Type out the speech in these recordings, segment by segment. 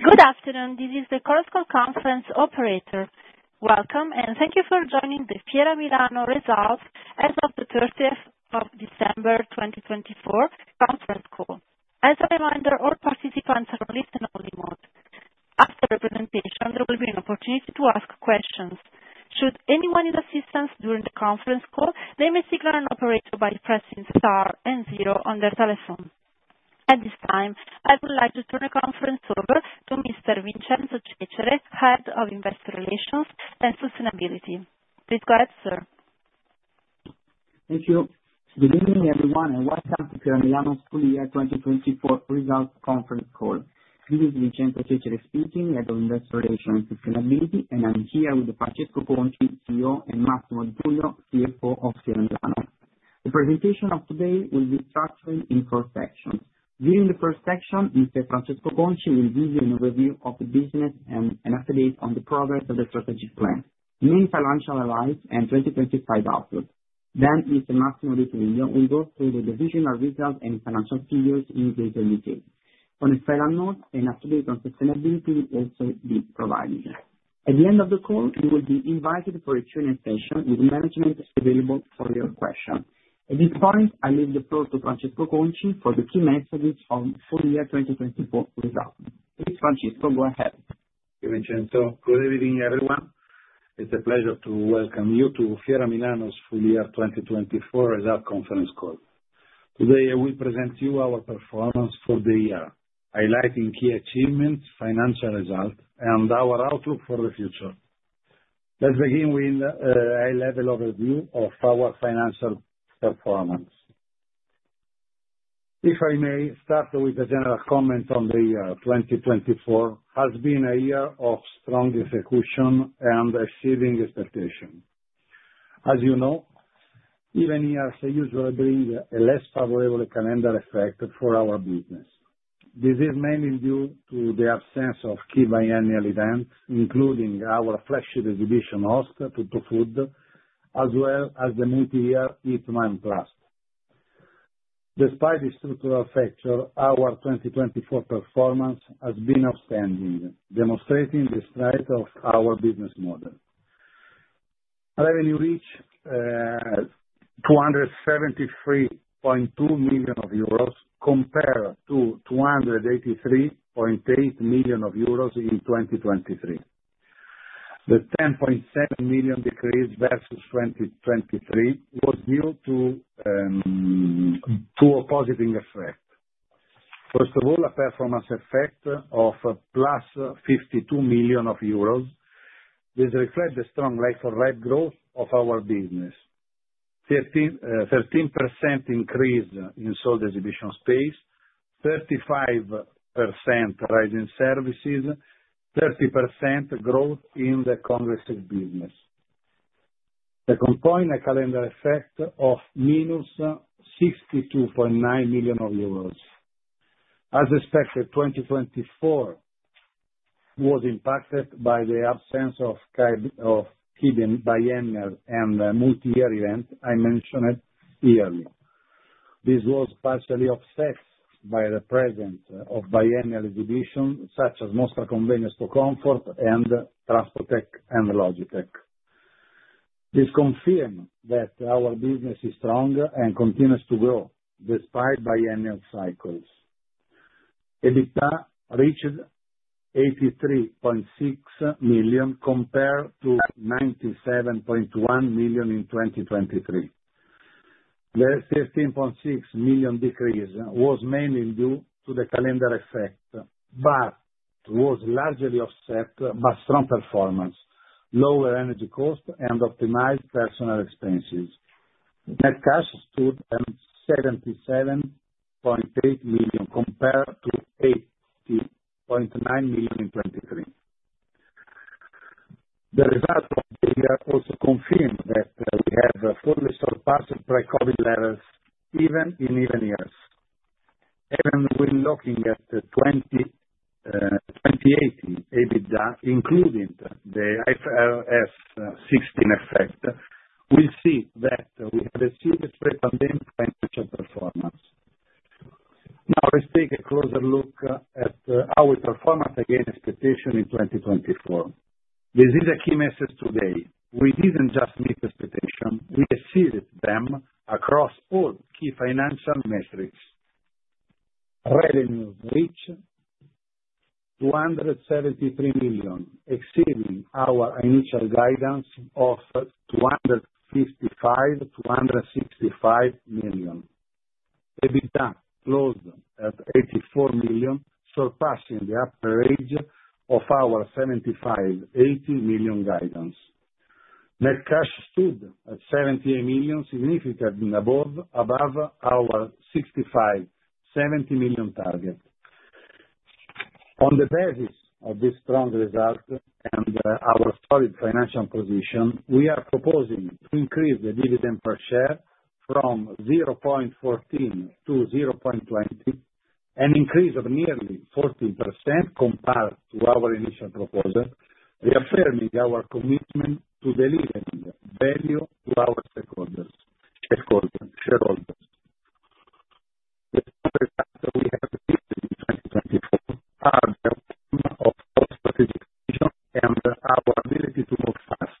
Good afternoon, this is the Chorus call conference operator. Welcome, and thank you for joining the Fiera Milano results as of the 30th of December 2024 conference call. As a reminder, all participants are on listen-only mode. After the presentation, there will be an opportunity to ask questions. Should anyone need assistance during the conference call, they may signal an operator by pressing star and zero on their telephone. At this time, I would like to turn the conference over to Mr. Vincenzo Cecere, Head of Investor Relations c. Please go ahead, sir. Thank you. Good evening, everyone, and welcome to Fiera Milano's full year 2024 results conference call. This is Vincenzo Cecere speaking, Head of Investor Relations and Sustainability, and I'm here with Francesco Conci, CEO, and Massimo De Tullio, CFO of Fiera Milano. The presentation of today will be structured in four sections. During the first section, Mr. Francesco Conci will give you an overview of the business and an update on the progress of the strategic plan, main financial highlights, and 2025 outlook. Mr. Massimo De Tullio will go through the divisional results and financial figures in greater detail. On a Fiera note, an update on sustainability will also be provided. At the end of the call, you will be invited for a Q&A session with management available for your questions. At this point, I leave the floor to Francesco Conci for the key messages on full year 2024 results. Please, Francesco, go ahead. Hey, Vincenzo. Good evening, everyone. It's a pleasure to welcome you to Fiera Milano's full year 2024 results conference call. Today, I will present to you our performance for the year, highlighting key achievements, financial results, and our outlook for the future. Let's begin with a level overview of our financial performance. If I may start with a general comment on the year, 2024 has been a year of strong execution and exceeding expectations. As you know, even years usually bring a less favorable calendar effect for our business. This is mainly due to the absence of key biennial events, including our flagship exhibition, HostMilano, as well as the multi-year IPACK-IMA. Despite the structural factor, our 2024 performance has been outstanding, demonstrating the strength of our business model. Revenue reached 273.2 million euros compared to 283.8 million euros in 2023. The 10.7 million decrease versus 2023 was due to two opposing effects. First of all, a performance effect of 52 million euros. This reflects the strong like-for-like growth of our business: 13% increase in sold exhibition space, 35% rise in services, 30% growth in the congress business. Second point, a calendar effect of 62.9 million euros. As expected, 2024 was impacted by the absence of key biennial and multi-year events I mentioned earlier. This was partially offset by the presence of biennial exhibitions such as Mostra Convegno Expocomfort and Transpotec Logistica. This confirmed that our business is strong and continues to grow despite biennial cycles. EBITDA reached 83.6 million compared to 97.1 million in 2023. The 15.6 million decrease was mainly due to the calendar effect, but it was largely offset by strong performance, lower energy costs, and optimized personnel expenses. Net cash stood at 77.8 million compared to 80.9 million in 2023. The result of the year also confirmed that we have fully surpassed pre-COVID levels even in even years. Even when looking at 2018 EBITDA, including the IFRS 16 effect, we see that we have exceeded pre-pandemic financial performance. Now, let's take a closer look at our performance against expectations in 2024. This is a key message today. We did not just meet expectations; we exceeded them across all key financial metrics. Revenue reached 273 million, exceeding our initial guidance of 255-265 million. EBITDA closed at 84 million, surpassing the upper range of our 75-80 million guidance. Net cash stood at 78 million, significantly above our 65-70 million target. On the basis of this strong result and our solid financial position, we are proposing to increase the dividend per share from 0.14-0.20, an increase of nearly 14% compared to our initial proposal, reaffirming our commitment to delivering value to our shareholders. The strong results we have achieved in 2024 are the strength of our strategic vision and our ability to move fast.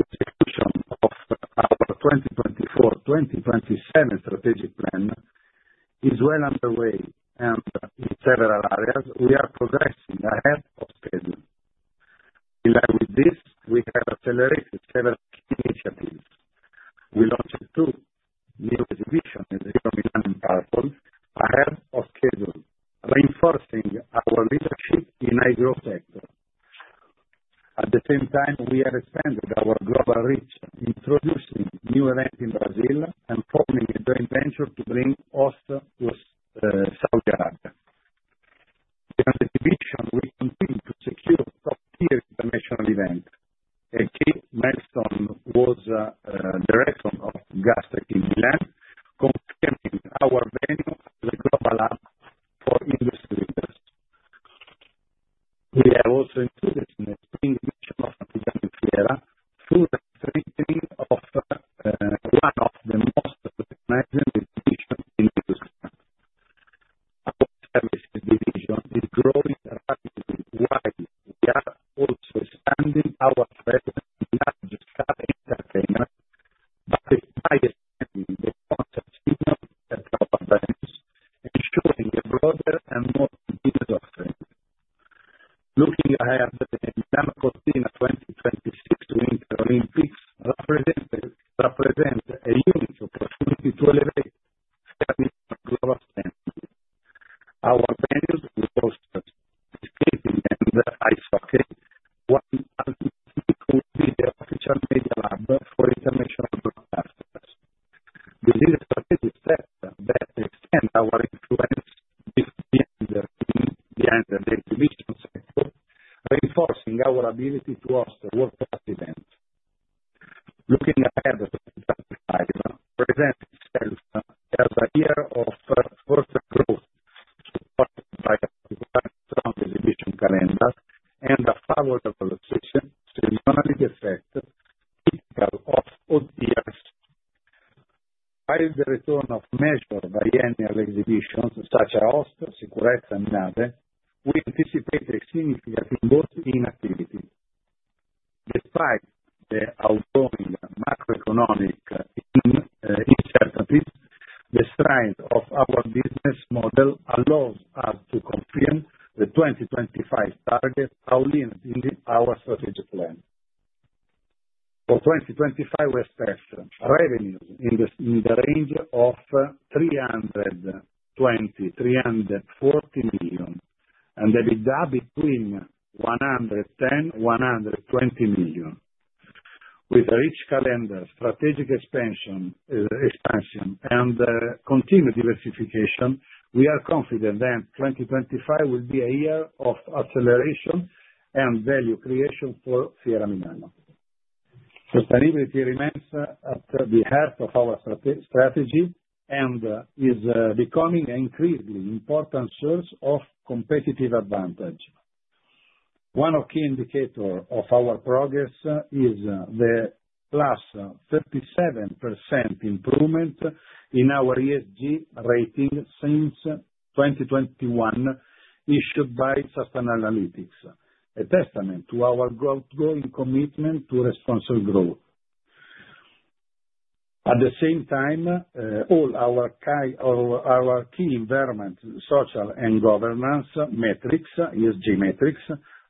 The execution of our 2024-2027 strategic plan is well underway, and in several areas, we are With a rich calendar, strategic expansion, and continued diversification, we are confident that 2025 will be a year of acceleration and value creation for Fiera Milano. Sustainability remains at the heart of our strategy and is becoming an increasingly important source of competitive advantage. One key indicator of our progress is the +37% improvement in our ESG rating since 2021, issued by Sustainalytics, a testament to our ongoing commitment to responsible growth. At the same time, all our key environment, social, and governance metrics, ESG metrics,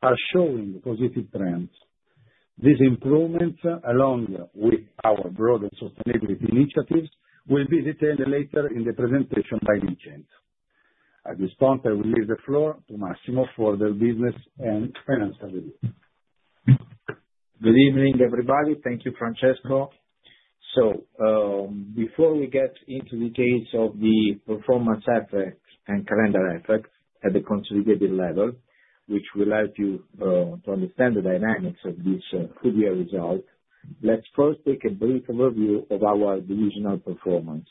are showing positive trends. These improvements, along with our broader sustainability initiatives, will be detailed later in the presentation by Vincenzo. At this point, I will leave the floor to Massimo for the business and financial review. Good evening, everybody. Thank you, Francesco. Before we get into the details of the performance effects and calendar effects at the consolidated level, which will help you to understand the dynamics of this Fiera Milano result, let's first take a brief overview of our divisional performance.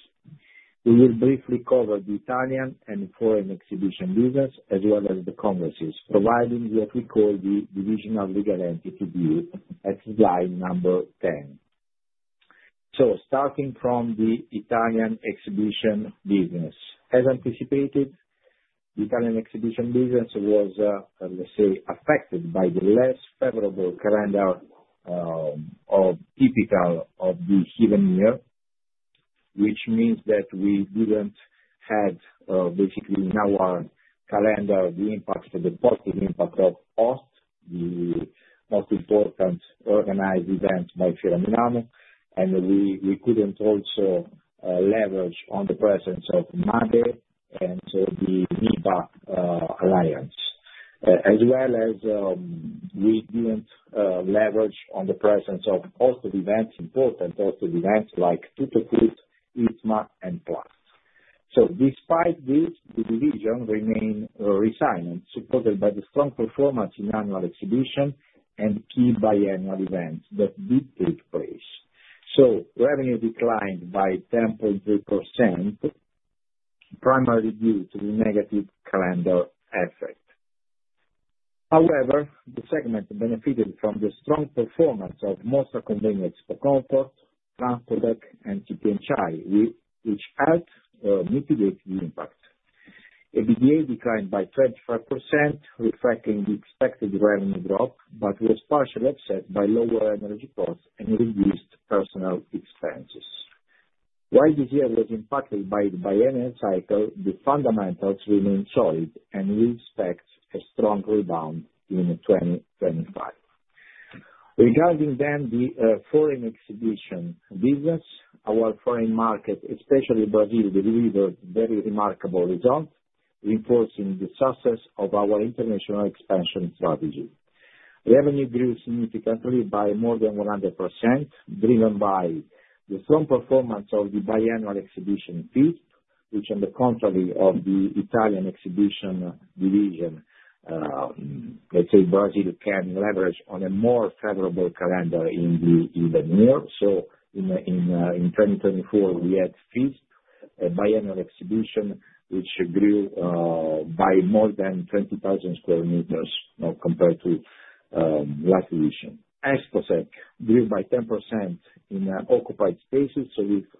We will briefly cover the Italian and foreign exhibition business, as well as the congresses, providing what we call the divisional legal entity view at slide number 10. Starting from the Italian exhibition business, as anticipated, the Italian exhibition business was, let's say, affected by the less favorable calendar typical of the given year, which means that we didn't have, basically, in our calendar, the impact of the positive impact of HostMilano, the most important organized event by Fiera Milano, and we couldn't also leverage on the presence of MADE and the MIDO alliance, as well as we didn't leverage on the presence of HostMilano events, important HostMilano events like Tuttofood, EICMA. Despite this, the division remained resilient, supported by the strong performance in annual exhibition and key biennial events that did take place. Revenue declined by 10.3%, primarily due to the negative calendar effect. However, the segment benefited from the strong performance of Mostra Convegno Expocomfort, Transpotec, and IPACK-IMA, which helped mitigate the impact. EBITDA declined by 25%, reflecting the expected revenue drop, but was partially offset by lower energy costs and reduced personnel expenses. While this year was impacted by the biennial cycle, the fundamentals remained solid, and we expect a strong rebound in 2025. Regarding then the foreign exhibition business, our foreign market, especially Brazil, delivered very remarkable results, reinforcing the success of our international expansion strategy. Revenue grew significantly by more than 100%, driven by the strong performance of the biennial exhibition FISP, which, on the contrary of the Italian exhibition division, let's say Brazil can leverage on a more favorable calendar in the even year. In 2024, we had FISP, a biennial exhibition, which grew by more than 20,000 sq m compared to last edition. Exposec grew by 10% in occupied spaces,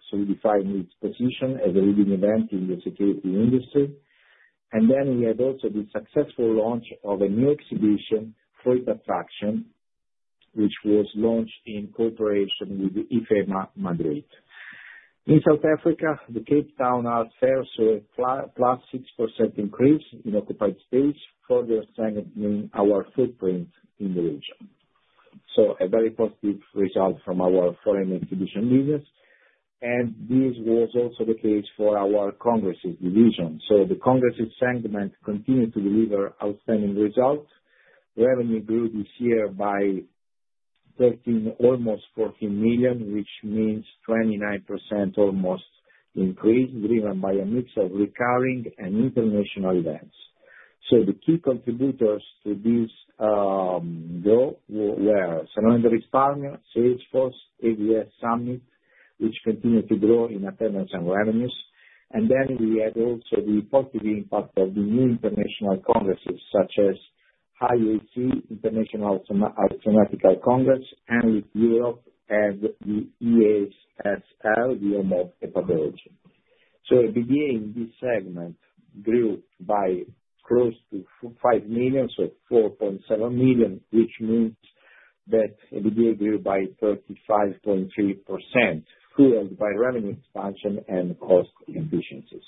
solidifying its position as a leading event in the security industry. We had also the successful launch of a new exhibition, Fruit Attraction, which was launched in cooperation with IFEMA Madrid. In South Africa, the Cape Town Art Fair saw a +6% increase in occupied space, further strengthening our footprint in the region. A very positive result from our foreign exhibition business. This was also the case for our congress business. The congress segment continued to deliver outstanding results. Revenue grew this year by almost 14 million, which means a 29% almost increase, driven by a mix of recurring and international events. The key contributors to this growth were San Raffaele, Salesforce, AWS Summit, which continued to grow in attendance and revenues. We had also the positive impact of the new international congresses, such as IAC, International Thematic Congress, and with Europe and the EASL, the EUMOCS. EBITDA in this segment grew by close to 5 million, so 4.7 million, which means that EBITDA grew by 35.3%, fueled by revenue expansion and cost efficiencies.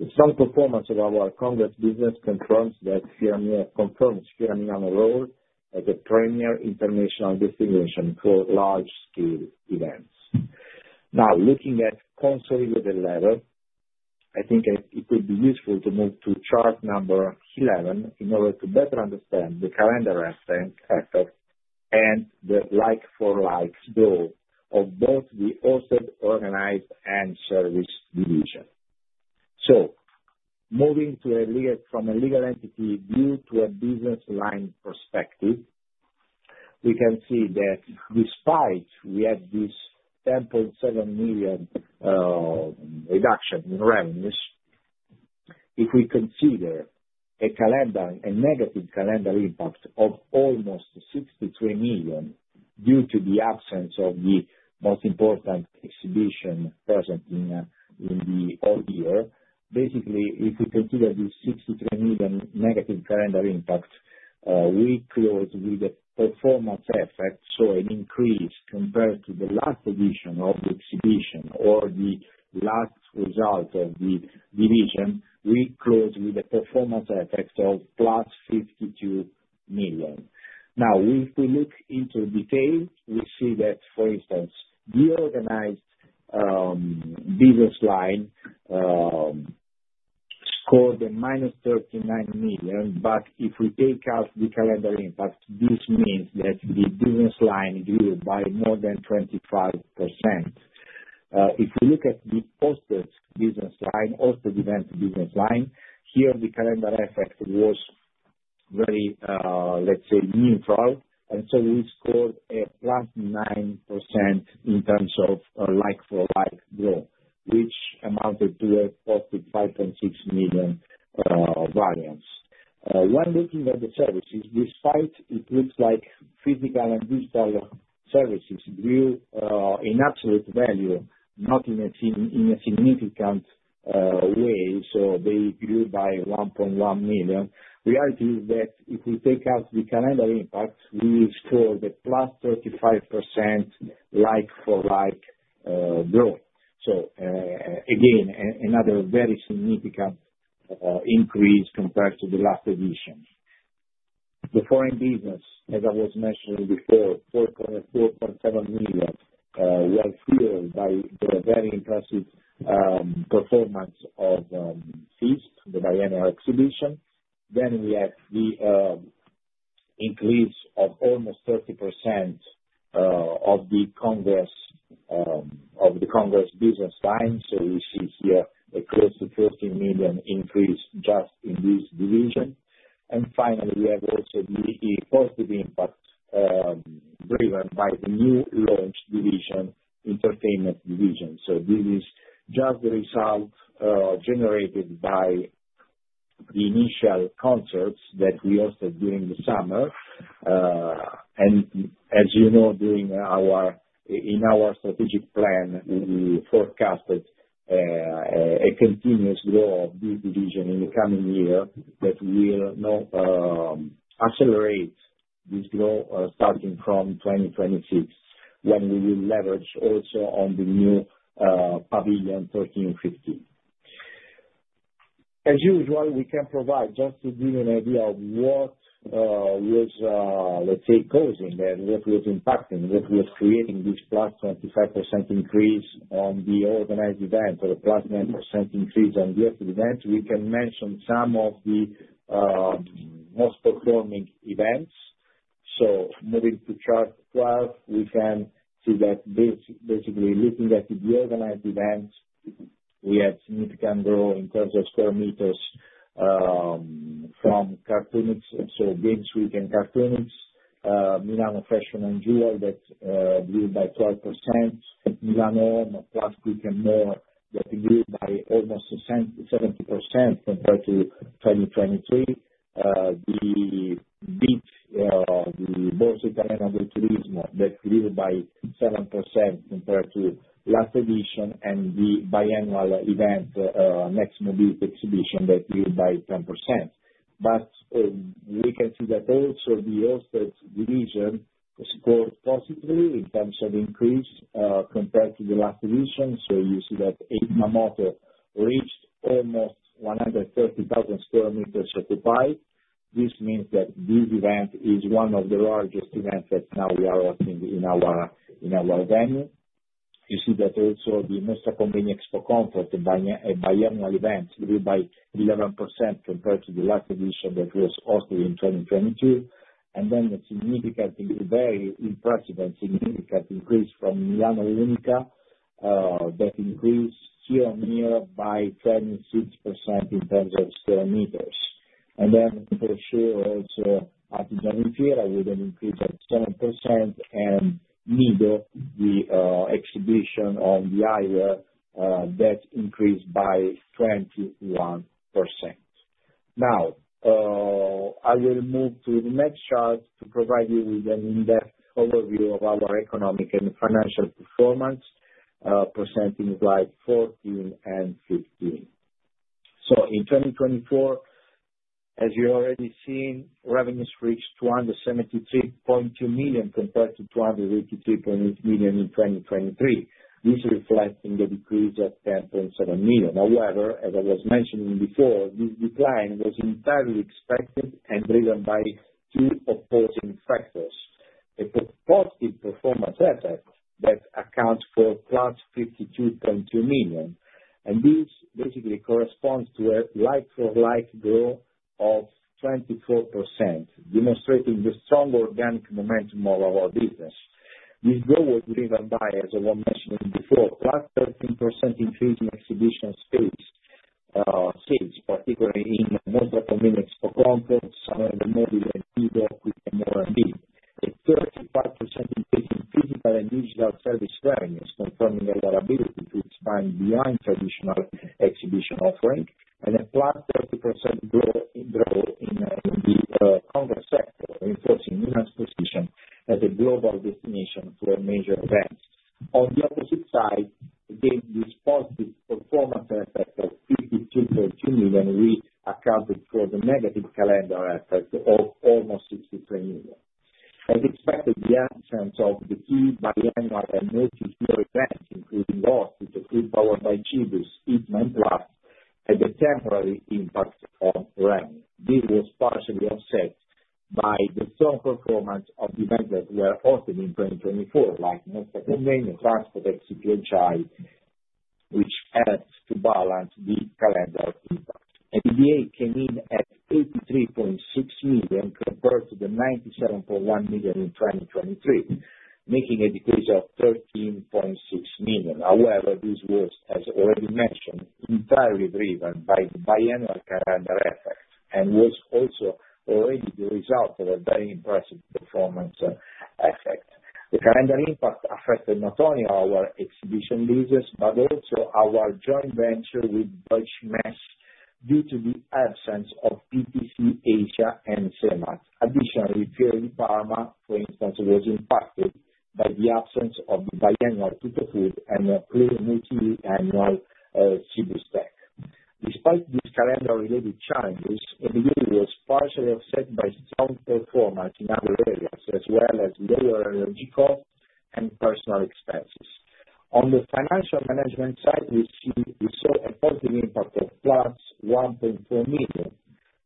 The strong performance of our congress business confirms that Fiera Milano role as a premier international distinguishment for large-scale events. Now, looking at consolidated level, I think it would be useful to move to chart number 11 in order to better understand the calendar effect and the like-for-like growth of both the HOST organized and service division. Moving from a legal entity view to a business line perspective, we can see that despite we had this 10.7 million reduction in revenues, if we consider a negative calendar impact of almost 63 million due to the absence of the most important exhibition present in the whole year, basically, if we consider this 63 million negative calendar impact, we close with a performance effect, so an increase compared to the last edition of the exhibition or the last result of the division, we close with a performance effect of plus 52 million. Now, if we look into detail, we see that, for instance, the organized business line scored a minus 39 million, but if we take out the calendar impact, this means that the business line grew by more than 25%. If we look at the HOST business line, HOST event business line, here the calendar effect was very, let's say, neutral, and we scored a plus 9% in terms of like-for-like growth, which amounted to a positive 5.6 million variance. When looking at the services, despite it looks like physical and digital services grew in absolute value, not in a significant way, they grew by 1.1 million, the reality is that if we take out the calendar impact, we scored a plus 35% like-for-like growth. Again, another very significant increase compared to the last edition. The foreign business, as I was mentioning before, 4.7 million, was fueled by the very impressive performance of FISP, the biennial exhibition. We had the increase of almost 30% of the congress business line, so we see here a close to 13 million increase just in this division. Finally, we have also the positive impact driven by the new launched division, entertainment division. This is just the result generated by the initial concerts that we hosted during the summer. As you know, in our strategic plan, we forecasted a continuous growth of this division in the coming year that will accelerate this growth starting from 2026, when we will leverage also on the new pavilion 1315. As usual, we can provide just to give you an idea of what was, let's say, causing that, what was impacting, what was creating this plus 25% increase on the organized event or plus 9% increase on the HOST event. We can mention some of the most performing events. Moving to chart 12, we can see that basically looking at the organized events, we had significant growth in terms of square meters from Cartoomics, so Games Week and Cartoomics Milano Fashion and Jewel that grew by 12%, Milano Plast and More that grew by almost 70% compared to 2023, the BIT, the Borsa Italiana del Turismo that grew by 7% compared to last edition, and the biennial event, Nextech Mobility Exhibition, that grew by 10%. We can see that also the HOST division scored positively in terms of increase compared to the last edition. You see that EIMA Moto reached almost 130,000 square meters occupied. This means that this event is one of the largest events that now we are hosting in our venue. You see that also the Mostra Convegno Expocomfort, a biennial event, grew by 11% compared to the last edition that was hosted in 2022. A significantly very impressive and significant increase from Milano Unica that increased year on year by 26% in terms of square meters. For sure also Artigiani Fiera with an increase of 7%, and MIDO, the exhibition on the aisle, that increased by 21%. Now, I will move to the next chart to provide you with an in-depth overview of our economic and financial performance, presenting slides 14 and 15. In 2024, as you already seen, revenues reached 273.2 million compared to 283.8 million in 2023. This reflects the decrease of 10.7 million. However, as I was mentioning before, this decline was entirely expected and driven by two opposing factors. A positive performance effect that accounts for plus 52.2 million. This basically corresponds to a like-for-like growth of 24%, demonstrating the strong organic momentum of our business. This growth was driven by, as I was mentioning before, a 13% increase in exhibition space, particularly in Mostra Convegno Expocomfort, San Andreas Mobile, MIDO, Chimica, and BIT. A 35% increase in physical and digital service revenues, confirming a reliability to expand beyond traditional exhibition offering, and a 30% growth in the congress sector, reinforcing MIDO's position as a global destination for major events. On the opposite side, again, this positive performance effect of 52.2 million accounted for the negative calendar effect of almost 63 million. As expected, the absence of the key biennial and multi-year events, including HOST, the group powered by GBUS, EIMA Moto, had a temporary impact on revenue. This was partially offset by the strong performance of events that were hosted in 2024, like Mostra Convegno, Transpotec, IPACK-IMA, which helped to balance the calendar impact. EBITDA came in at 83.6 million compared to the 97.1 million in 2023, making a decrease of 13.6 million. However, this was, as already mentioned, entirely driven by the biennial calendar effect and was also already the result of a very impressive performance effect. The calendar impact affected not only our exhibition business, but also our joint venture with Deutsche Messe due to the absence of PTC Asia and CEMAT. Additionally, Fiera Milano, for instance, was impacted by the absence of the biennial Tuttofood and plus multi-annual Cibus Tec. Despite these calendar-related challenges, EBITDA was partially offset by strong performance in other areas, as well as lower energy costs and personnel expenses. On the financial management side, we saw a positive impact of plus 1.4 million,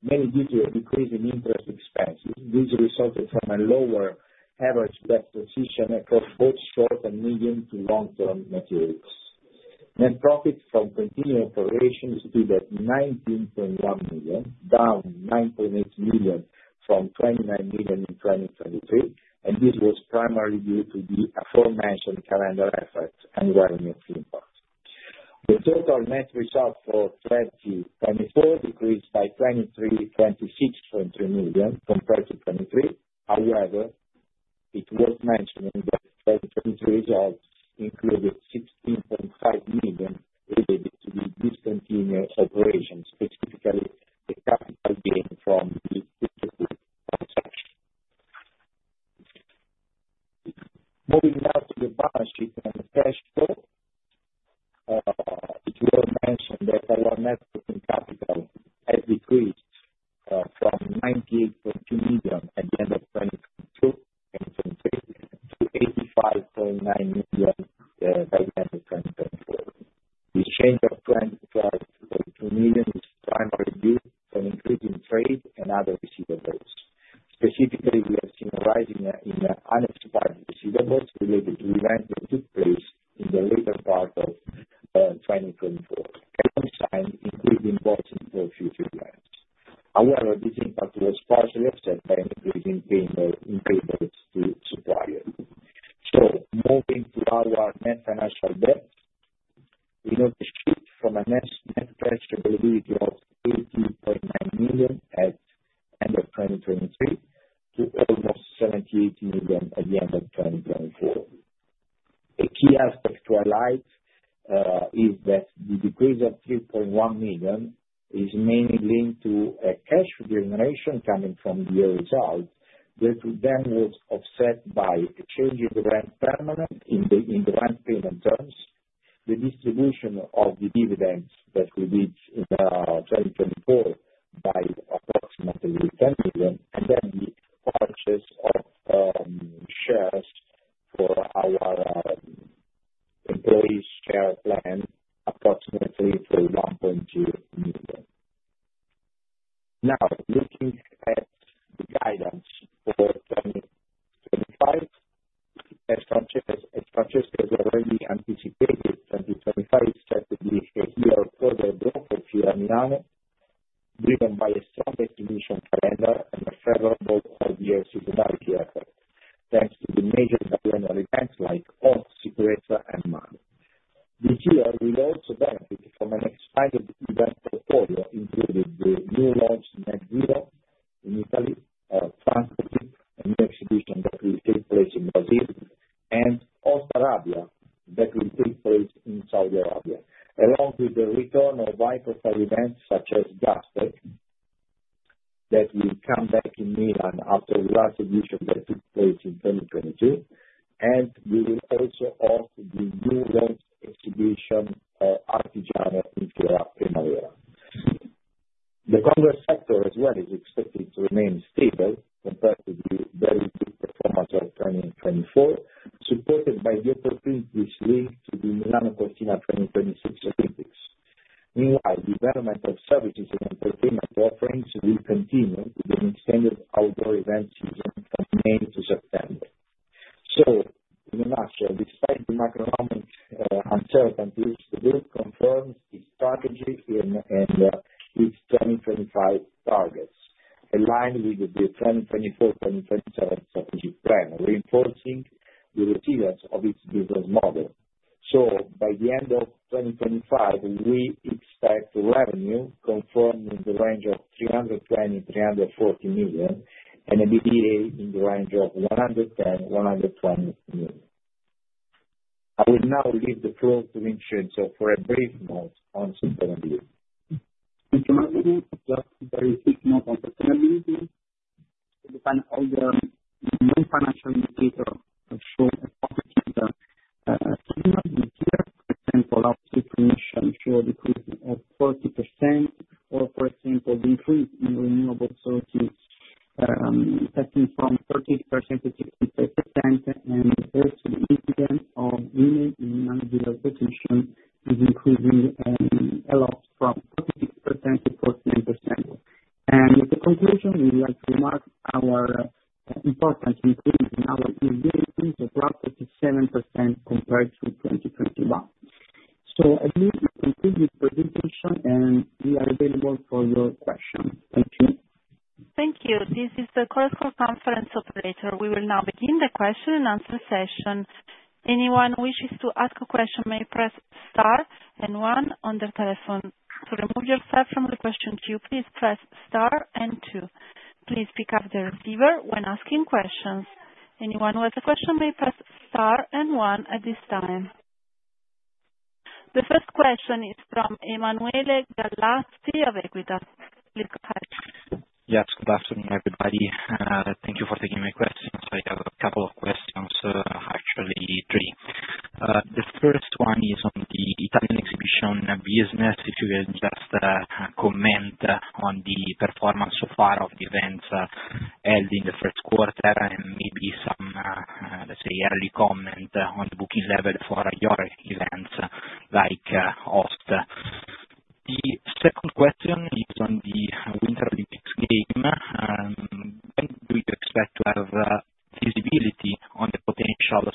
mainly due to a decrease in interest expenses. This resulted from a lower average debt position across both short and medium to long-term materials. Net profit from continued operations stood at 19.1 million, down 9.8 million from 29 million in 2023, and this was primarily due to the aforementioned calendar effect and revenue impact. The total net result for 2024 decreased by 23.26 million compared to 2023. However, it was mentioned that the 2023 result included 16.5 million related to the discontinued operations, specifically the capital gain from the Tout au Food contract. Moving now to the balance sheet and cash flow, it was mentioned that our net working capital had decreased from 98.2 million at the end of 2022 and 2023 to 85.9 million by the end of 2024. This change of 22.2 million is primarily due to increasing trade and other receivables. Specifically, we have seen a rise in unexpired receivables related to events that took place in the later part of 2024, a question may press star and one on their telephone. To remove yourself from the question queue, please press star and two. Please pick up the receiver when asking questions. Anyone who has a question may press star and one at this time. The first question is from Emanuele Gallazzi of Equita. Please go ahead. Yes, good afternoon, everybody. Thank you for taking my questions. I have a couple of questions, actually three. The first one is on the Italian exhibition business. If you can just comment on the performance so far of the events held in the first quarter and maybe some, let's say, early comment on the booking level for your events like HOST. The second question is on the Winter Olympics game. When do you expect to have visibility on the potential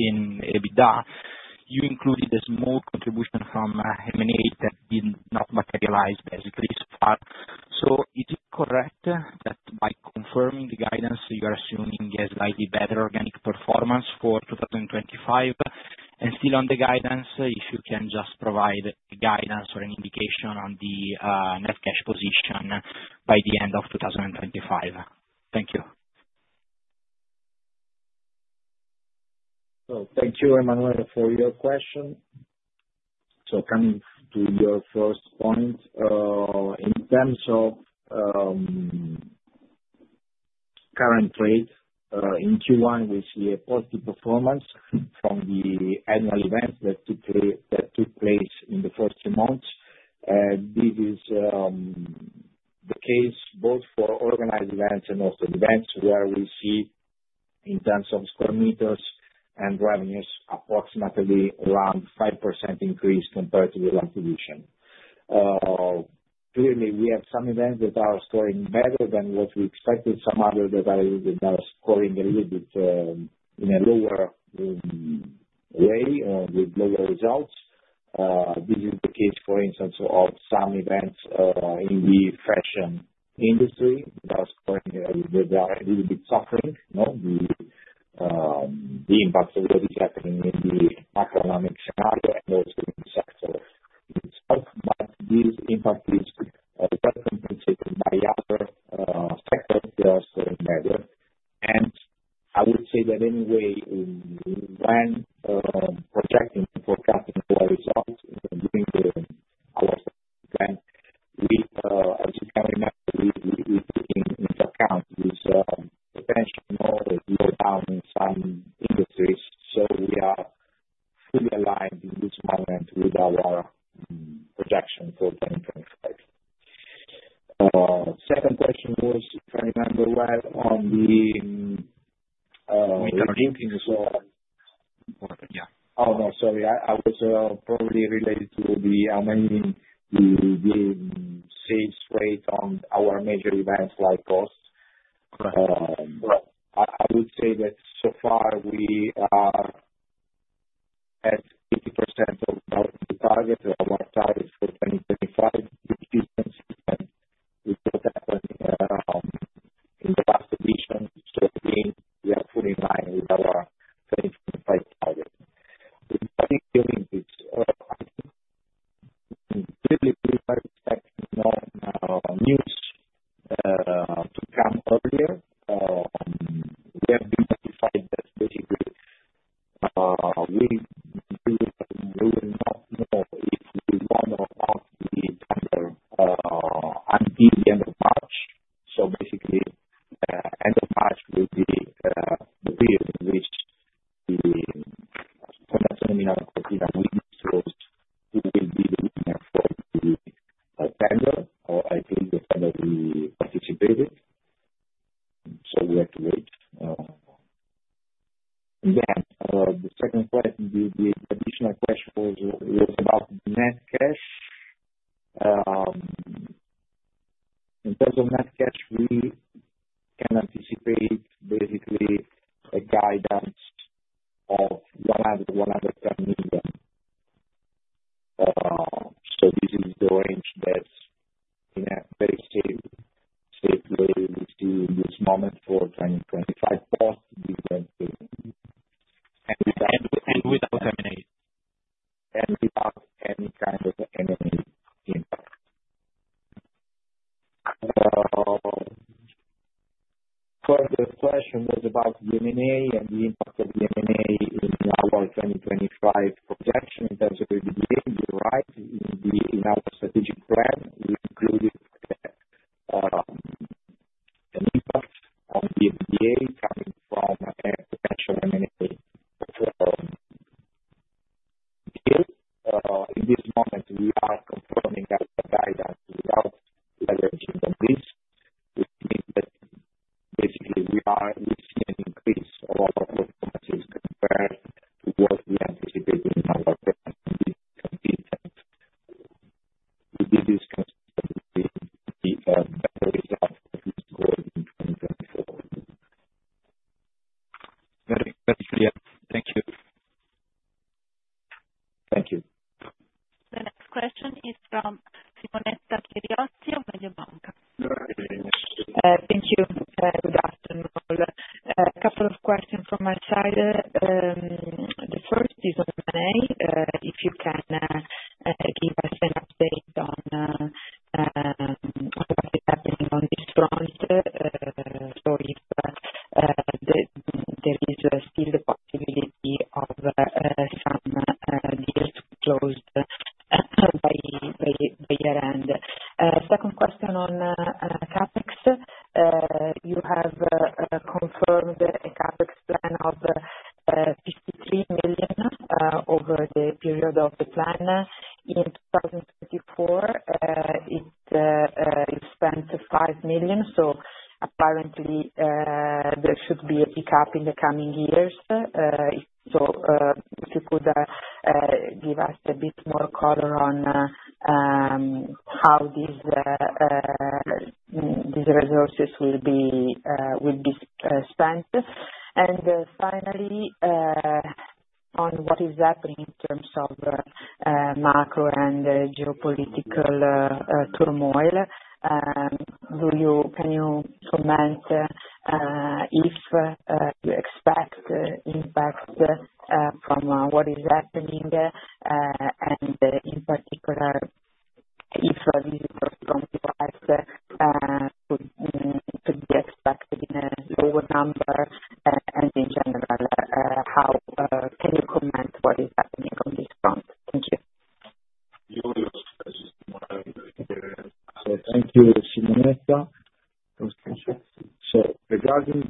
servicing contract of the Winter Olympics? The third one is on the guidance. First of all, if I'm not wrong, in the business plan target for 2025 revenues in EBITDA, you included a small contribution from M&A that did not materialize basically so far. Is it correct that by confirming the guidance, you are assuming a slightly better organic performance for 2025? Still on the guidance, if you can just provide guidance or an indication on the net cash position by the end of 2025. Thank you. Thank you, Emanuele, for your question. Coming to your first point, in terms of current trade, in Q1, we see a positive performance from the annual events that took place in the first months. This is the case both for organized events and also events where we see, in terms of square meters and revenues, approximately around 5% increase compared to the last edition. Clearly, we have some events that are scoring better than what we expected, some others that are scoring a little bit in a lower way or with lower results. This is the case, for instance, of some events in the fashion industry that are scoring a little bit better, a little bit suffering, the impact of what is happening in the macroeconomic scenario and also in the sector itself. This impact is compensated by other sectors that are scoring better. I would say that anyway, when projecting and forecasting our results during our plan, as you can remember, we are taking into account this potential slowdown in some industries. We are fully aligned in this moment with our projection for 2025. Second question was, if I remember well, on the Winter Olympics or. Important, yeah. Oh, no, sorry. I was probably related to the sales rate on our major events like HOST. Correct. Correct. I would say that so far we are at 80% of our target, our target for 2025. kind of M&A impact. you expect impact from what is happening? In particular, if these are strong divides, could be expected in a lower number, and in general, can you comment on what is happening on this front? Thank you. Thank you, Simonetta. Regarding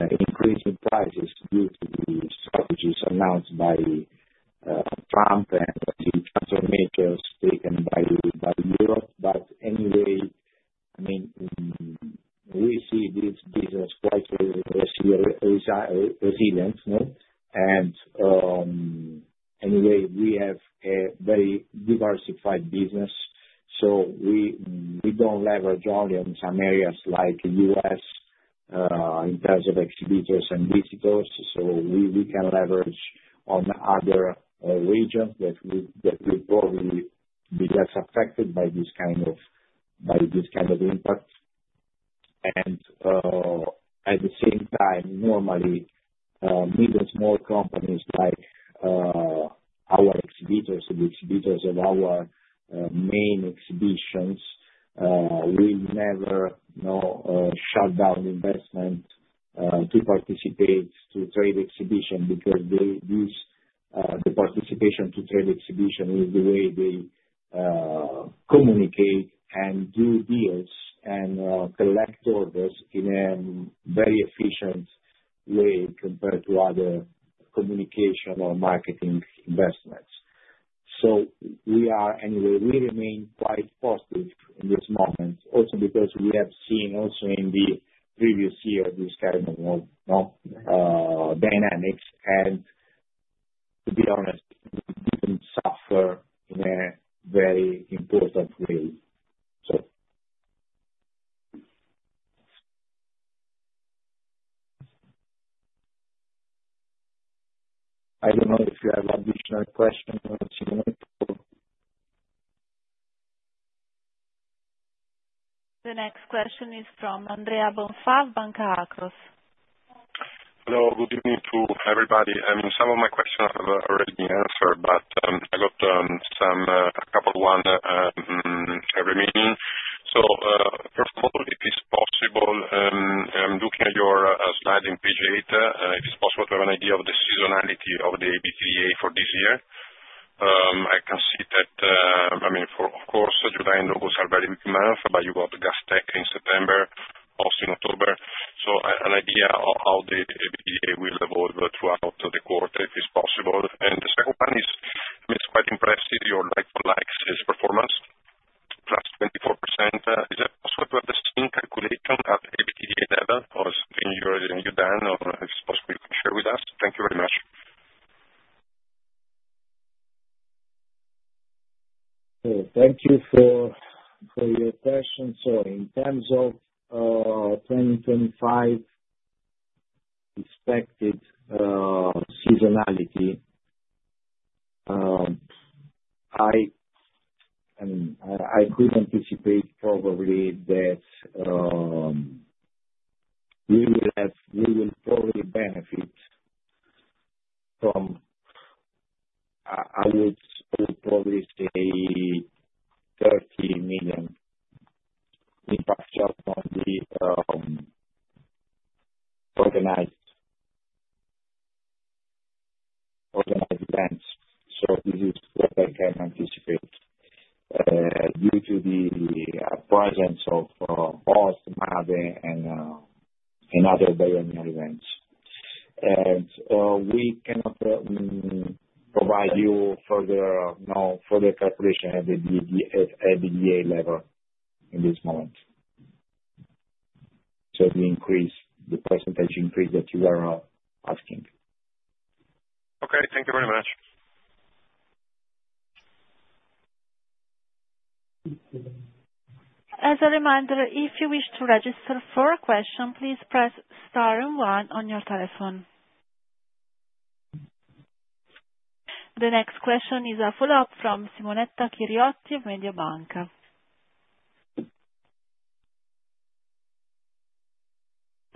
in prices due to the strategies announced by Trump and the transfers made to us taken by Europe. Anyway, I mean, we see this business quite resilient. Anyway, we have a very diversified business. We do not leverage only on some areas like the U.S. in terms of exhibitors and visitors. We can leverage on other regions that will probably be less affected by this kind of impact. At the same time, normally, middle-small companies like our exhibitors and exhibitors of our main exhibitions will never shut down investment to participate in trade exhibitions because the participation to trade exhibitions is the way they communicate and do deals and collect orders in a very efficient way compared to other communication or marketing investments. We remain quite positive in this moment, also because we have seen also in the previous year this kind of dynamics. To be honest, we did not suffer in a very important way. I do not know if you have additional questions, Simonetta, or the next question is from Andrea Bonfà, Banca Akros. Hello. Good evening to everybody. I mean, some of my questions have already been answered, but I got a couple of ones remaining. First of all, if it's possible, I'm looking at your slide in page eight. If it's possible to have an idea of the seasonality of the EBITDA for this year. I can see that, I mean, of course, July and August are very big months, but you got Gastex in September, HOST in October. An idea of how the EBITDA will evolve throughout the quarter if it's possible. The second one is, I mean, it's quite impressive your like-for-like sales performance, plus 24%. Is it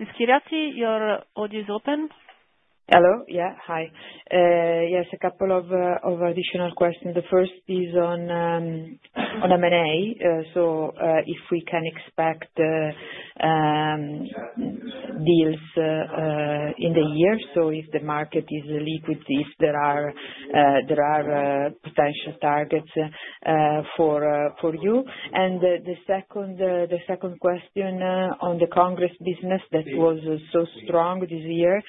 Ms. Chiriotti, your audio is open. Hello. Yeah. Hi. Yes, a couple of additional questions. The first is on M&A. If we can expect deals in the year, if the market is liquid, if there are potential targets for you. The second question on the Congress business that was so strong this year.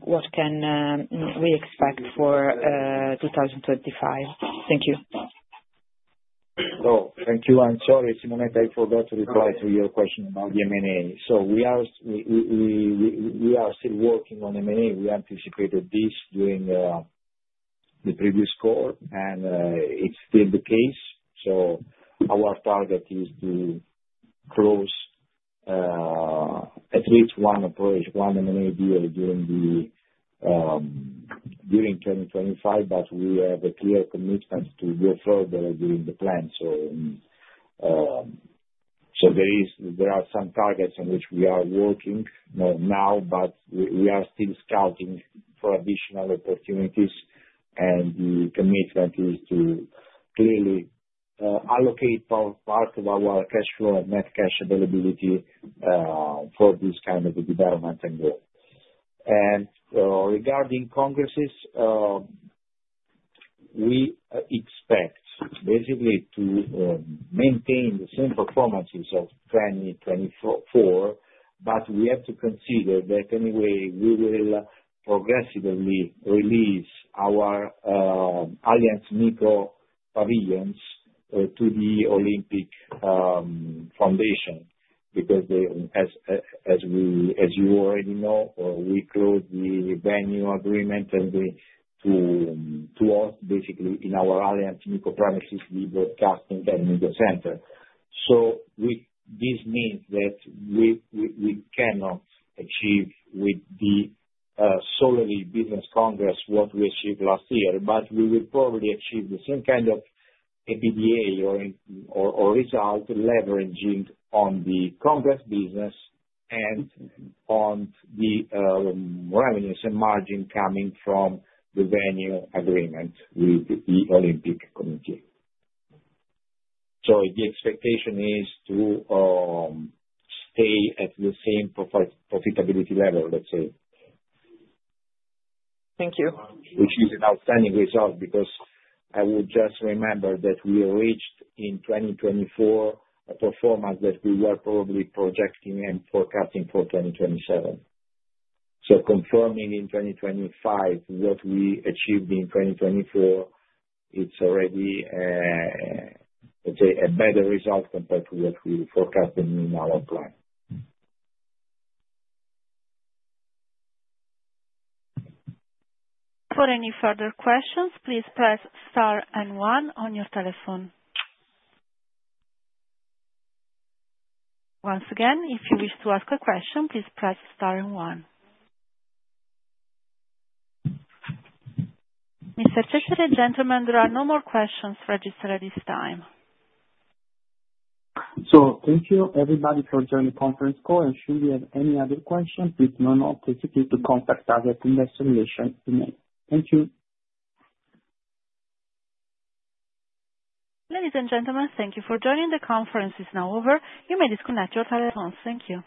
What can we expect for 2025? Thank you. Hello. Thank you. I'm sorry, Simonetta, I forgot to reply to your question about the M&A. We are still working on M&A. We anticipated this during the previous quarter, and it's still the case. Our target is to close at least one M&A deal during 2025, but we have a clear commitment to go further than the plan. There are some targets on which we are working now, but we are still scouting for additional opportunities. The commitment is to clearly allocate part of our cash flow and net cash availability for this kind of development and growth. Regarding Congresses, we expect basically to maintain the same performances of 2024, but we have to consider that anyway, we will progressively release our Allianz MICO pavilions to the Olympic Foundation because, as you already know, we closed the venue agreement to HOST basically in our Allianz MICO premises with the casting and MICO Center. This means that we cannot achieve with the solely business Congress what we achieved last year, but we will probably achieve the same kind of EBITDA or result leveraging on the Congress business and on the revenues and margin coming from the venue agreement with the Olympic Committee. The expectation is to stay at the same profitability level, let's say. Thank you. Which is an outstanding result because I would just remember that we reached in 2024 a performance that we were probably projecting and forecasting for 2027. Confirming in 2025 what we achieved in 2024, it's already, let's say, a better result compared to what we were forecasting in our plan. For any further questions, please press star and one on your telephone. Once again, if you wish to ask a question, please press star and one. Mr. Cecere, gentlemen, there are no more questions registered at this time. Thank you, everybody, for joining the conference call. Should you have any other questions, please do not hesitate to contact us at investor relations email. Thank you. Ladies and gentlemen, thank you for joining the conference. It's now over. You may disconnect your telephones. Thank you.